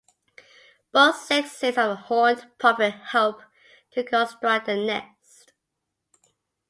Both sexes of the horned puffin help to construct their nest.